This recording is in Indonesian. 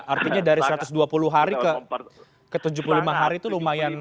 artinya dari satu ratus dua puluh hari ke tujuh puluh lima hari itu lumayan